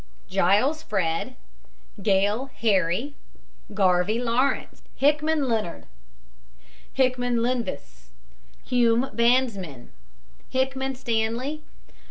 GILES, FRED. GALE, HARRY. GALE, PHADRUCH. GARVEY, LAWRENCE. HICKMAN, LEONARD. HICKMAN, LENVIS. HUME, bandsman. HICKMAN, STANLEY.